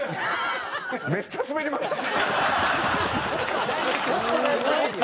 めっちゃスベりました。